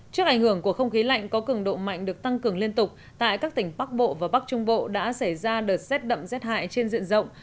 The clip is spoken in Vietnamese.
trước ảnh hưởng của không khí lạnh có cường độ mạnh được tăng cường liên tục tại các tỉnh bắc bộ và bắc trung bộ đã xảy ra đợt rét đậm rét hại trên diện rộng